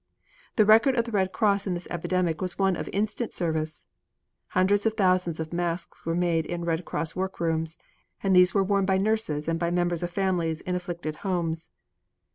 The record of the Red Cross in this epidemic was one of instant service. Hundreds of thousands of masks were made in Red Cross workrooms, and these were worn by nurses and by members of families in afflicted homes.